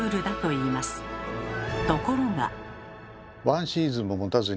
ところが。